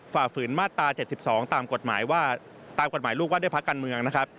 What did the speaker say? ฝืนมาตรา๗๒ตามกฎหมายว่าตามกฎหมายลูกว่าด้วยพักการเมืองนะครับ